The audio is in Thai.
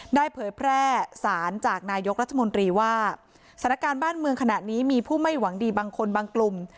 เผยแพร่สารจากนายกรัฐมนตรีว่าสถานการณ์บ้านเมืองขณะนี้มีผู้ไม่หวังดีบางคนบางกลุ่ม